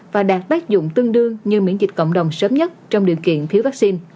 và đạt tác dụng tương đương như miễn dịch cộng đồng sớm nhất trong điều kiện thiếu vaccine